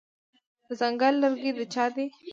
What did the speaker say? د ځنګل لرګي د چا دي؟